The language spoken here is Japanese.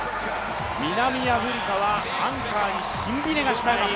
南アフリカはアンカーにシンビネが控えます。